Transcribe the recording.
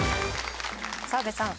「澤部さん